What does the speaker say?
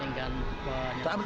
tinggal berpuluh puluh tingkat